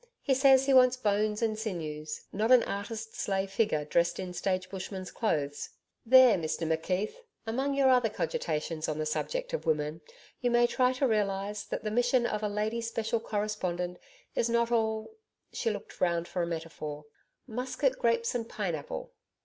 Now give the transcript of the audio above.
He says he wants bones and sinews, not an artist's lay figure dressed in stage bushman's clothes. There, Mr McKeith, among your other cogitations on the subject of women, you may try to realise that the mission of a lady special correspondent is not all' she looked round for a metaphor 'Muscat grapes and pineapple.'